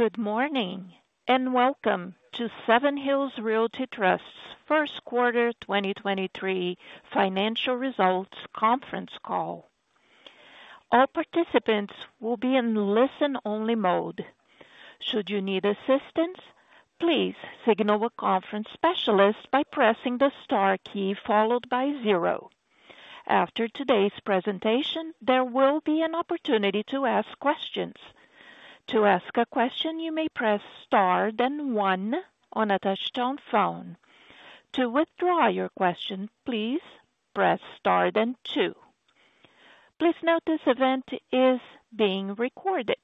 Good morning, and welcome to Seven Hills Realty Trust's first quarter 2023 financial results conference call. All participants will be in listen-only mode. Should you need assistance, please signal a conference specialist by pressing the star key followed by zero. After today's presentation, there will be an opportunity to ask questions. To ask a question, you may press Star then one on a touch-tone phone. To withdraw your question, please press Star then two. Please note this event is being recorded.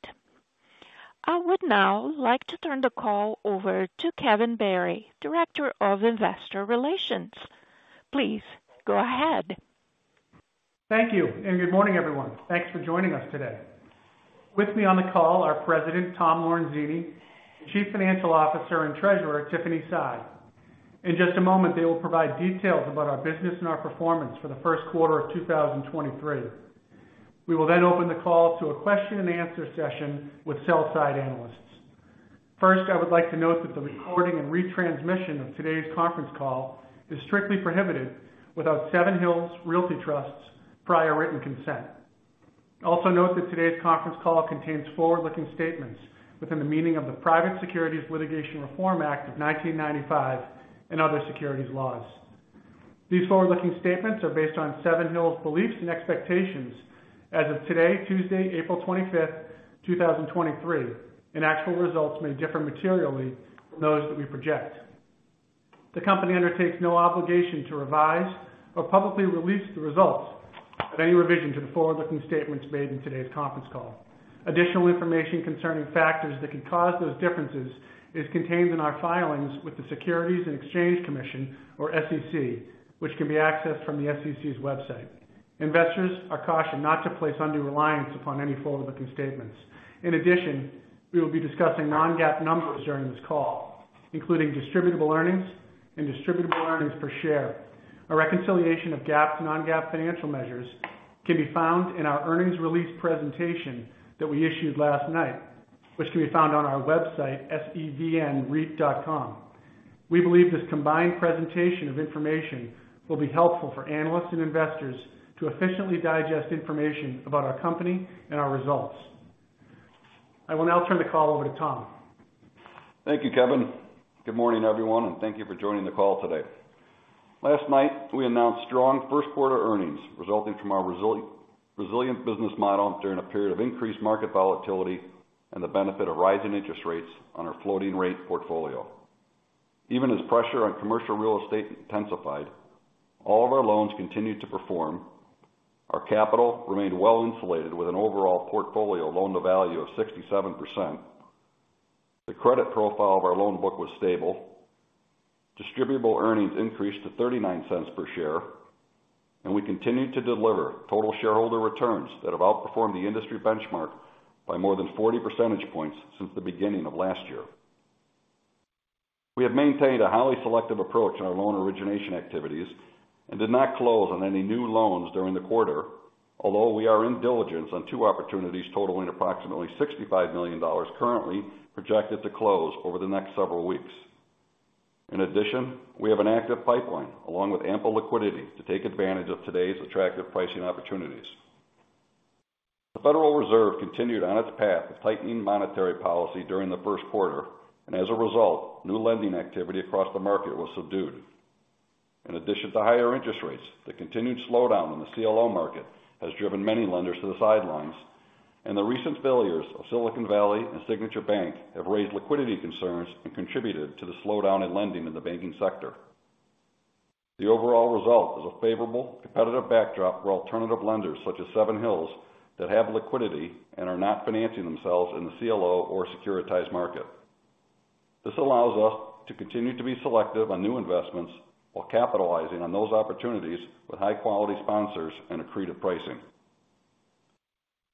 I would now like to turn the call over to Kevin Barry, Director of Investor Relations. Please go ahead. Thank you. Good morning, everyone. Thanks for joining us today. With me on the call are President Tom Lorenzini, Chief Financial Officer and Treasurer Tiffany Sy. In just a moment, they will provide details about our business and our performance for the 1st quarter of 2023. We will open the call to a question and answer session with sell-side analysts. First, I would like to note that the recording and retransmission of today's conference call is strictly prohibited without Seven Hills Realty Trust's prior written consent. Also note that today's conference call contains forward-looking statements within the meaning of the Private Securities Litigation Reform Act of 1995 and other securities laws. These forward-looking statements are based on Seven Hills beliefs and expectations as of today, Tuesday, April 25th, 2023, and actual results may differ materially from those that we project. The company undertakes no obligation to revise or publicly release the results of any revision to the forward-looking statements made in today's conference call. Additional information concerning factors that could cause those differences is contained in our filings with the Securities and Exchange Commission, or SEC, which can be accessed from the SEC's website. Investors are cautioned not to place undue reliance upon any forward-looking statements. In addition, we will be discussing non-GAAP numbers during this call, including distributable earnings and distributable earnings per share. A reconciliation of GAAP to non-GAAP financial measures can be found in our earnings release presentation that we issued last night, which can be found on our website, sevnreit.com. We believe this combined presentation of information will be helpful for analysts and investors to efficiently digest information about our company and our results. I will now turn the call over to Tom. Thank you, Kevin. Good morning, everyone, and thank you for joining the call today. Last night, we announced strong first quarter earnings resulting from our resilient business model during a period of increased market volatility and the benefit of rising interest rates on our floating rate portfolio. Even as pressure on commercial real estate intensified, all of our loans continued to perform. Our capital remained well-insulated with an overall portfolio loan-to-value of 67%. The credit profile of our loan book was stable. Distributable earnings increased to $0.39 per share, and we continued to deliver total shareholder returns that have outperformed the industry benchmark by more than 40 percentage points since the beginning of last year. We have maintained a highly selective approach in our loan origination activities and did not close on any new loans during the quarter, although we are in diligence on two opportunities totaling approximately $65 million currently projected to close over the next several weeks. In addition, we have an active pipeline along with ample liquidity to take advantage of today's attractive pricing opportunities. The Federal Reserve continued on its path of tightening monetary policy during the first quarter. As a result, new lending activity across the market was subdued. In addition to higher interest rates, the continued slowdown in the CLO market has driven many lenders to the sidelines. The recent failures of Silicon Valley and Signature Bank have raised liquidity concerns and contributed to the slowdown in lending in the banking sector. The overall result is a favorable competitive backdrop for alternative lenders such as Seven Hills that have liquidity and are not financing themselves in the CLO or securitized market. This allows us to continue to be selective on new investments while capitalizing on those opportunities with high-quality sponsors and accretive pricing.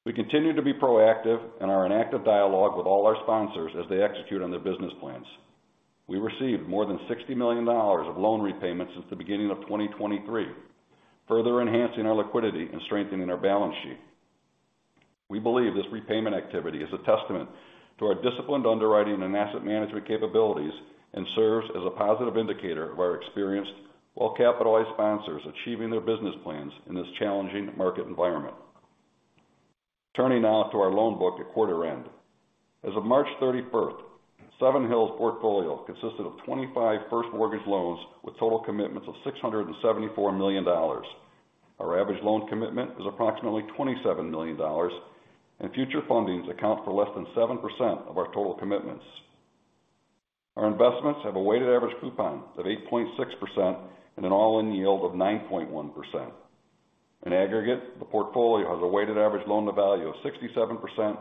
We continue to be proactive and are in active dialogue with all our sponsors as they execute on their business plans. We received more than $60 million of loan repayments since the beginning of 2023, further enhancing our liquidity and strengthening our balance sheet. We believe this repayment activity is a testament to our disciplined underwriting and asset management capabilities and serves as a positive indicator of our experienced, well-capitalized sponsors achieving their business plans in this challenging market environment. Turning now to our loan book at quarter end. As of March 31st, Seven Hills' portfolio consisted of 25 first mortgage loans with total commitments of $674 million. Our average loan commitment is approximately $27 million, and future fundings account for less than 7% of our total commitments. Our investments have a weighted average coupon of 8.6% and an all-in yield of 9.1%. In aggregate, the portfolio has a weighted average loan-to-value of 67%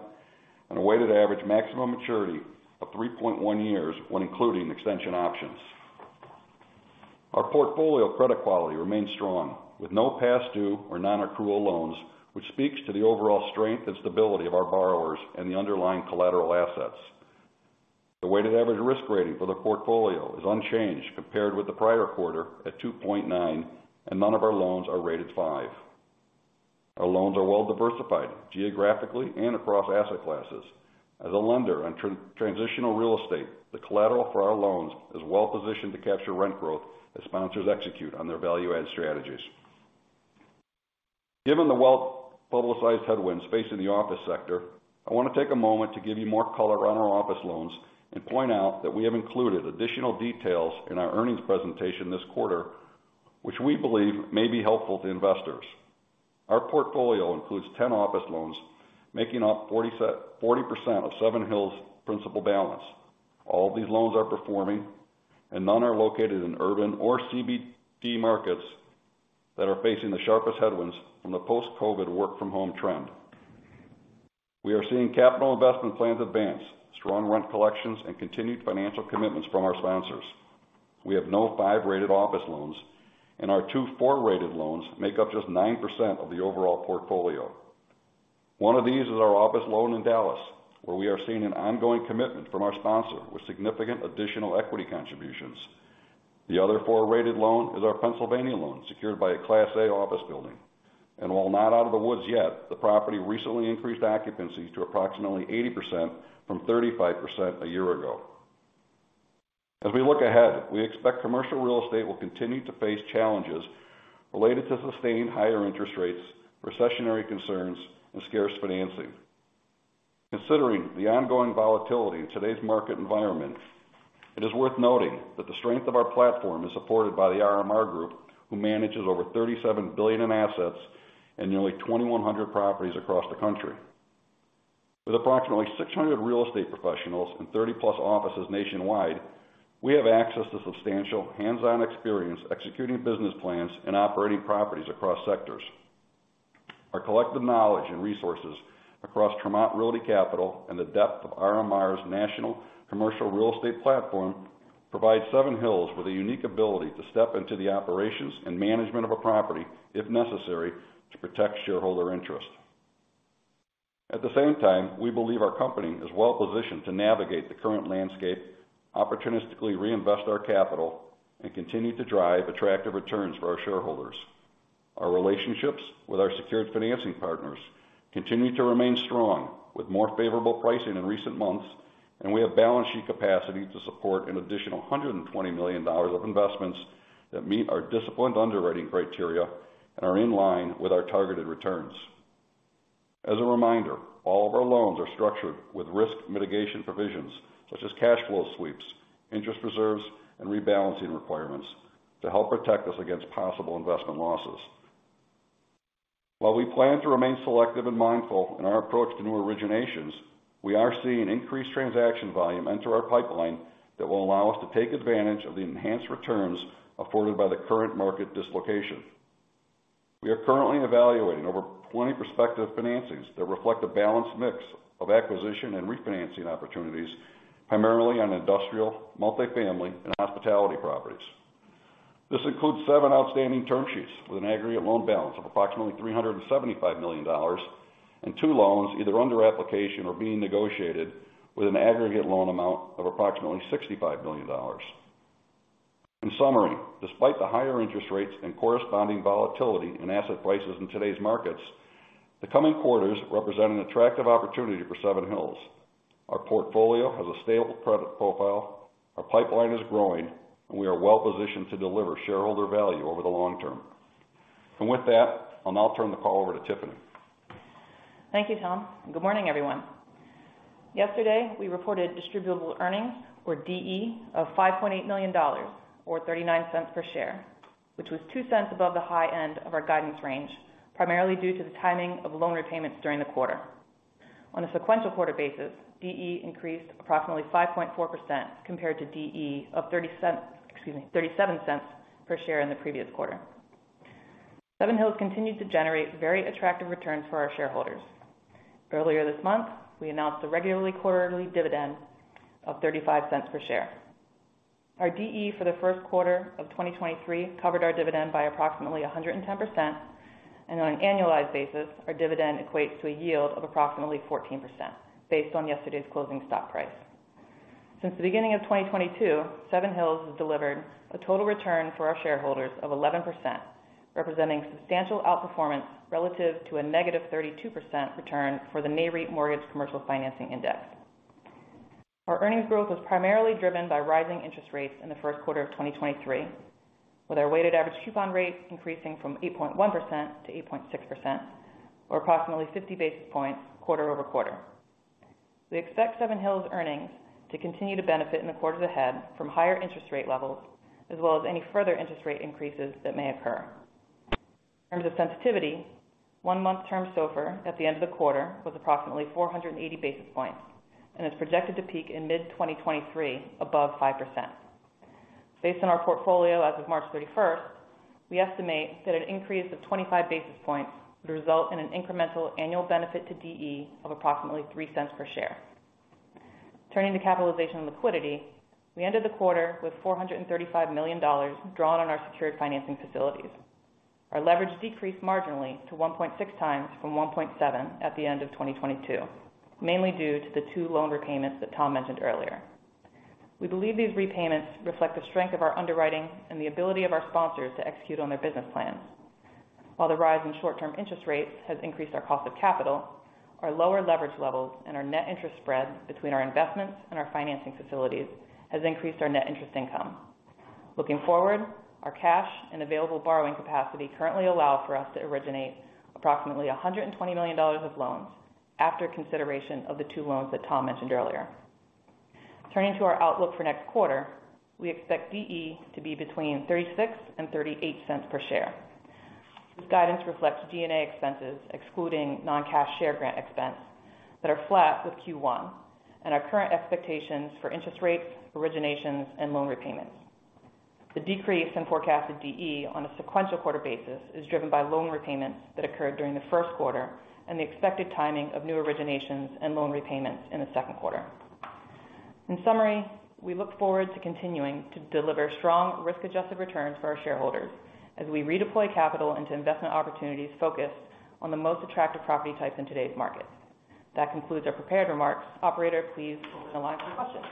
and a weighted average maximum maturity of 3.1 years when including extension options. Our portfolio credit quality remains strong with no past due or non-accrual loans, which speaks to the overall strength and stability of our borrowers and the underlying collateral assets. The weighted average risk rating for the portfolio is unchanged compared with the prior quarter at 2.9. None of our loans are rated 5. Our loans are well diversified geographically and across asset classes. As a lender on transitional real estate, the collateral for our loans is well positioned to capture rent growth as sponsors execute on their value add strategies. Given the well-publicized headwinds facing the office sector, I wanna take a moment to give you more color on our office loans and point out that we have included additional details in our earnings presentation this quarter, which we believe may be helpful to investors. Our portfolio includes 10 office loans, making up 40% of Seven Hills' principal balance. All of these loans are performing. None are located in urban or CBD markets that are facing the sharpest headwinds from the post-COVID work from home trend. We are seeing capital investment plans advance, strong rent collections, and continued financial commitments from our sponsors. We have no 5-rated office loans, and our two 4-rated loans make up just 9% of the overall portfolio. One of these is our office loan in Dallas, where we are seeing an ongoing commitment from our sponsor with significant additional equity contributions. The other 4-rated loan is our Pennsylvania loan, secured by a Class A office building. While not out of the woods yet, the property recently increased occupancy to approximately 80% from 35% a year ago. As we look ahead, we expect commercial real estate will continue to face challenges related to sustaining higher interest rates, recessionary concerns, and scarce financing. Considering the ongoing volatility in today's market environment, it is worth noting that the strength of our platform is supported by The RMR Group, who manages over $37 billion in assets and nearly 2,100 properties across the country. With approximately 600 real estate professionals and 30-plus offices nationwide, we have access to substantial hands-on experience executing business plans and operating properties across sectors. Our collective knowledge and resources across Tremont Realty Capital and the depth of RMR's national commercial real estate platform provide Seven Hills with a unique ability to step into the operations and management of a property, if necessary, to protect shareholder interest. At the same time, we believe our company is well-positioned to navigate the current landscape, opportunistically reinvest our capital, and continue to drive attractive returns for our shareholders. Our relationships with our secured financing partners continue to remain strong with more favorable pricing in recent months. We have balance sheet capacity to support an additional $120 million of investments that meet our disciplined underwriting criteria and are in line with our targeted returns. As a reminder, all of our loans are structured with risk mitigation provisions, such as cash flow sweeps, interest reserves, and rebalancing requirements to help protect us against possible investment losses. While we plan to remain selective and mindful in our approach to new originations, we are seeing increased transaction volume enter our pipeline that will allow us to take advantage of the enhanced returns afforded by the current market dislocation. We are currently evaluating over 20 prospective financings that reflect a balanced mix of acquisition and refinancing opportunities, primarily on industrial, multifamily, and hospitality properties. This includes seven outstanding term sheets with an aggregate loan balance of approximately $375 million, and two loans either under application or being negotiated with an aggregate loan amount of approximately $65 million. In summary, despite the higher interest rates and corresponding volatility in asset prices in today's markets, the coming quarters represent an attractive opportunity for Seven Hills. Our portfolio has a stable credit profile, our pipeline is growing, and we are well positioned to deliver shareholder value over the long term. With that, I'll now turn the call over to Tiffany. Thank you, Tom. Good morning, everyone. Yesterday, we reported distributable earnings, or DE, of $5.8 million or $0.39 per share, which was $0.02 above the high end of our guidance range, primarily due to the timing of loan repayments during the quarter. On a sequential quarter basis, DE increased approximately 5.4% compared to DE of $0.37 per share in the previous quarter. Seven Hills continued to generate very attractive returns for our shareholders. Earlier this month, we announced a regularly quarterly dividend of $0.35 per share. Our DE for the first quarter of 2023 covered our dividend by approximately 110%, and on an annualized basis, our dividend equates to a yield of approximately 14% based on yesterday's closing stock price. Since the beginning of 2022, Seven Hills has delivered a total return for our shareholders of 11%, representing substantial outperformance relative to a -32% return for the Nareit Mortgage Commercial Financing Index. Our earnings growth was primarily driven by rising interest rates in the first quarter of 2023, with our weighted average coupon rates increasing from 8.1%-8.6%, or approximately 50 basis points quarter-over-quarter. We expect Seven Hills earnings to continue to benefit in the quarters ahead from higher interest rate levels, as well as any further interest rate increases that may occur. In terms of sensitivity, one-month term SOFR at the end of the quarter was approximately 480 basis points, and is projected to peak in mid-2023 above 5%. Based on our portfolio as of March 31st, we estimate that an increase of 25 basis points would result in an incremental annual benefit to DE of approximately $0.03 per share. Turning to capitalization and liquidity, we ended the quarter with $435 million drawn on our secured financing facilities. Our leverage decreased marginally to 1.6 times from 1.7 at the end of 2022, mainly due to the 2 loan repayments that Tom mentioned earlier. We believe these repayments reflect the strength of our underwriting and the ability of our sponsors to execute on their business plans. While the rise in short-term interest rates has increased our cost of capital, our lower leverage levels and our net interest spread between our investments and our financing facilities has increased our net interest income. Looking forward, our cash and available borrowing capacity currently allow for us to originate approximately $120 million of loans after consideration of the 2 loans that Tom mentioned earlier. Turning to our outlook for next quarter, we expect DE to be between $0.36 and $0.38 per share. This guidance reflects G&A expenses, excluding non-cash share grant expense, that are flat with Q1 and our current expectations for interest rates, originations, and loan repayments. The decrease in forecasted DE on a sequential quarter basis is driven by loan repayments that occurred during the first quarter and the expected timing of new originations and loan repayments in the second quarter. In summary, we look forward to continuing to deliver strong risk-adjusted returns for our shareholders as we redeploy capital into investment opportunities focused on the most attractive property types in today's market. That concludes our prepared remarks. Operator, please open the line for questions.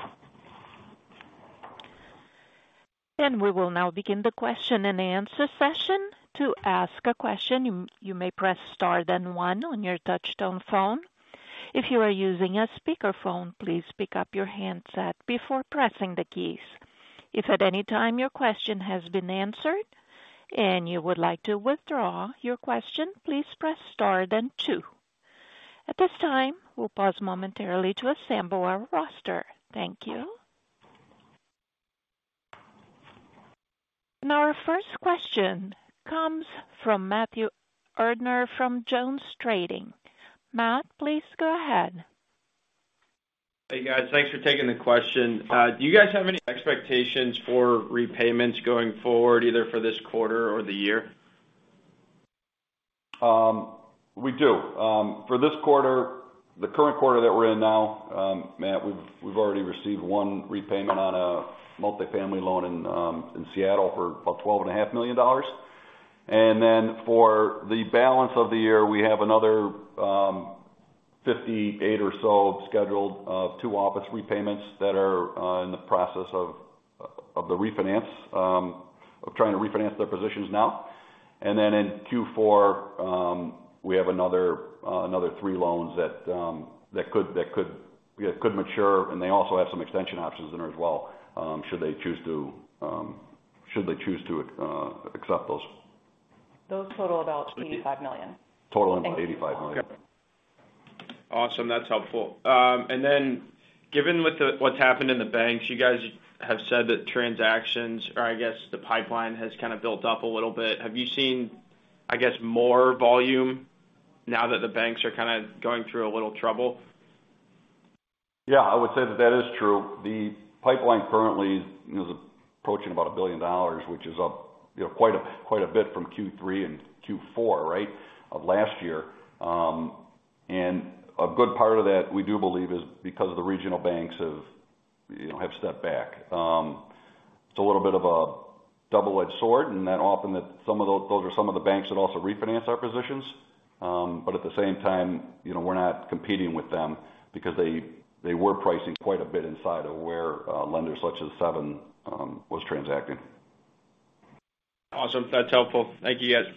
We will now begin the question-and-answer session. To ask a question, you may press star then one on your touchtone phone. If you are using a speakerphone, please pick up your handset before pressing the keys. If at any time your question has been answered and you would like to withdraw your question, please press star then two. At this time, we'll pause momentarily to assemble our roster. Thank you. Our first question comes from from JonesTrading. Matt, please go ahead. Hey, guys. Thanks for taking the question. Do you guys have any expectations for repayments going forward, either for this quarter or the year? We do. For this quarter, the current quarter that we're in now, Matt, we've already received one repayment on a multifamily loan in Seattle for about $12.5 million. For the balance of the year, we have another 58 or so scheduled of two office repayments that are in the process of the refinance of trying to refinance their positions now. In Q4, we have another 3 loans that could, yeah could mature, and they also have some extension options in there as well, should they choose to, should they choose to accept those. Those total about $85 million. Totaling $85 million. Awesome. That's helpful. Given what's happened in the banks, you guys have said that transactions or I guess the pipeline has kind of built up a little bit. Have you seen, I guess, more volume now that the banks are kinda going through a little trouble? Yeah, I would say that that is true. The pipeline currently is, you know, approaching about $1 billion, which is up, you know, quite a bit from Q3 and Q4, right? Of last year. A good part of that, we do believe is because of the regional banks have, you know, have stepped back. It's a little bit of a double-edged sword and that often that some of those are some of the banks that also refinance our positions. At the same time, you know, we're not competing with them because they were pricing quite a bit inside of where lenders such as Seven was transacting. Awesome. That's helpful. Thank you, guys.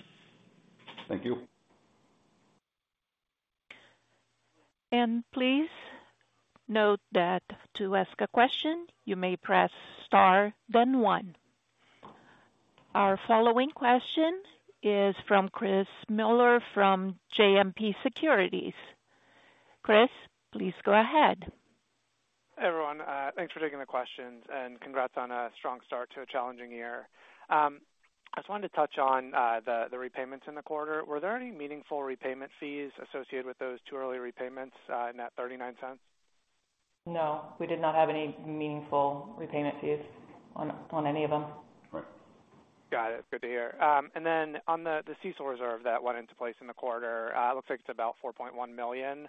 Thank you. Please note that to ask a question, you may press star then one. Our following question is from Chris Muller from JMP Securities. Chris, please go ahead. Hey, everyone. Thanks for taking the questions, and congrats on a strong start to a challenging year. I just wanted to touch on the repayments in the quarter. Were there any meaningful repayment fees associated with those two early repayments in that $0.39? No, we did not have any meaningful repayment fees on any of them. Got it. Good to hear. On the CECL reserve that went into place in the quarter, looks like it's about $4.1 million.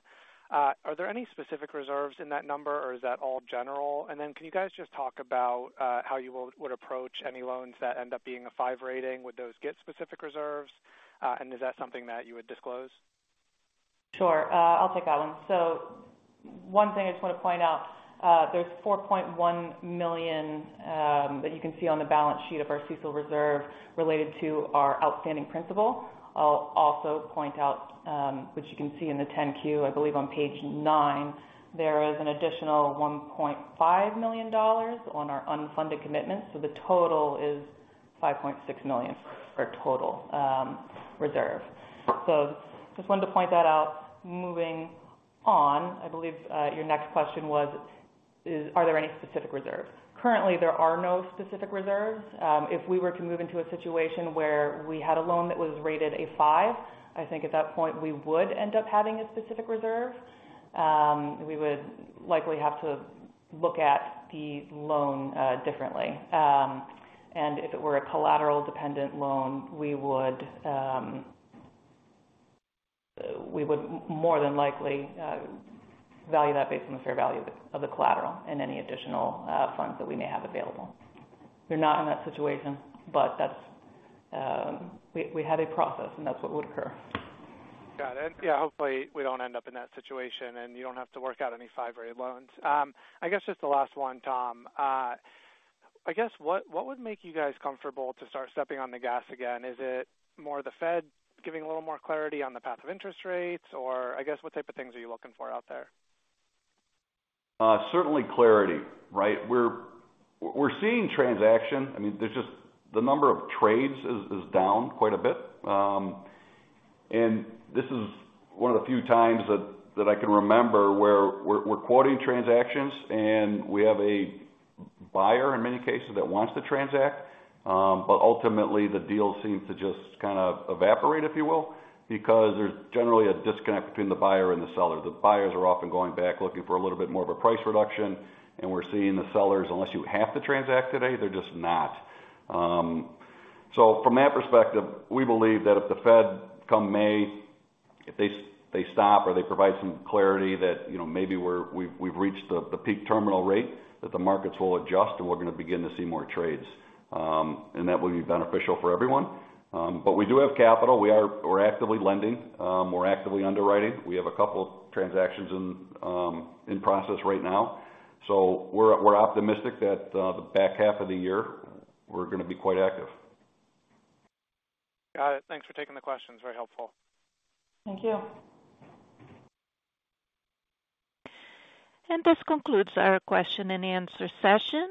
Are there any specific reserves in that number, or is that all general? Can you guys just talk about how you would approach any loans that end up being a five rating? Would those get specific reserves? Is that something that you would disclose? Sure. I'll take that one. One thing I just wanna point out, there's $4.1 million that you can see on the balance sheet of our CECL reserve related to our outstanding principal. I'll also point out, which you can see in the 10-Q, I believe on page 9, there is an additional $1.5 million on our unfunded commitments, so the total is $5.6 million for total reserve. Just wanted to point that out. Moving on, I believe, your next question was is, are there any specific reserves? Currently, there are no specific reserves. If we were to move into a situation where we had a loan that was rated a 5, I think at that point we would end up having a specific reserve. We would likely have to look at the loan differently. If it were a collateral-dependent loan, we would more than likely value that based on the fair value of the collateral and any additional funds that we may have available. We're not in that situation, but that's. We have a process, and that's what would occur. Got it. Yeah, hopefully we don't end up in that situation, and you don't have to work out any 5-rate loans. I guess just the last one, Tom. I guess what would make you guys comfortable to start stepping on the gas again? Is it more of the Fed giving a little more clarity on the path of interest rates? I guess, what type of things are you looking for out there? Certainly clarity, right? We're seeing transaction. I mean, there's just the number of trades is down quite a bit. This is one of the few times that I can remember where we're quoting transactions, and we have a buyer in many cases that wants to transact. Ultimately, the deal seems to just kind of evaporate, if you will, because there's generally a disconnect between the buyer and the seller. The buyers are often going back looking for a little bit more of a price reduction, and we're seeing the sellers, unless you have to transact today, they're just not. From that perspective, we believe that if the Fed come May, if they stop or they provide some clarity that, you know, maybe we've reached the peak terminal rate, that the markets will adjust, and we're going to begin to see more trades. That will be beneficial for everyone. We do have capital. We're actively lending. We're actively underwriting. We have a couple transactions in process right now. We're optimistic that the back half of the year we're gonna be quite active. Got it. Thanks for taking the questions. Very helpful. Thank you. This concludes our question-and-answer session.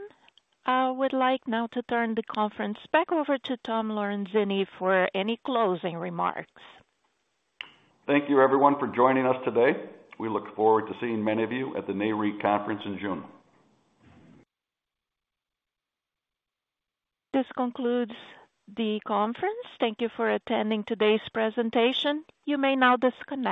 I would like now to turn the conference back over to Tom Lorenzini for any closing remarks. Thank you everyone for joining us today. We look forward to seeing many of you at the Nareit conference in June. This concludes the conference. Thank you for attending today's presentation. You may now disconnect.